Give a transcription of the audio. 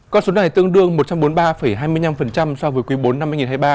con số này tương đương một trăm bốn mươi ba hai mươi năm so với quý iv năm hai nghìn hai mươi ba